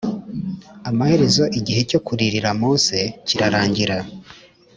amaherezo igihe cyo kuririra mose kirarangira